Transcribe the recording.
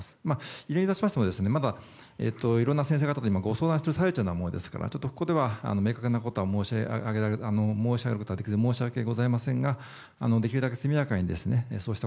いずれにしましてもいろんな先生方とご相談している最中ですからちょっとここでは明確なことを申し上げられず申し訳ありませんができるだけ速やかにそうした